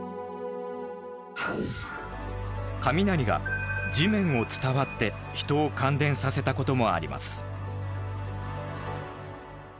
雷が地面を伝わって人を感電させたこともあります。